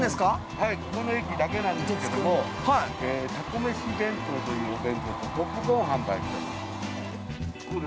はいここの駅だけなんですけどもはいたこめし弁当というお弁当とポップコーンを販売しております